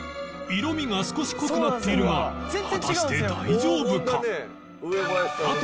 色味が少し濃くなっているが果たして大丈夫か？